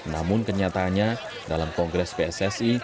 namun kenyataannya dalam kongres pssi